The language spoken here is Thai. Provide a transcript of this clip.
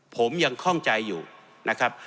ผมยังคล่องใจอยู่นะครับ